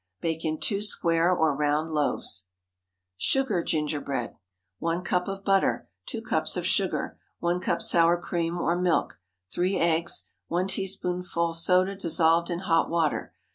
Bake in two square or round loaves. SUGAR GINGERBREAD. 1 cup of butter. 2 cups of sugar. 1 cup sour cream or milk. 3 eggs. 1 teaspoonful soda dissolved in hot water.